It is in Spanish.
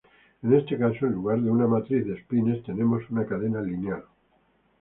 En este caso en lugar de una matriz de espines tenemos una cadena lineal.